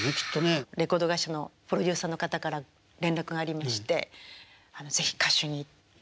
レコード会社のプロデューサーの方から連絡がありまして「是非歌手に。